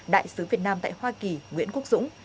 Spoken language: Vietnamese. đại sứ việt nam tại hoa kỳ nguyễn quốc dũng